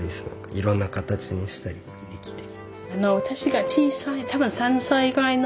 いろんな形にしたりできて。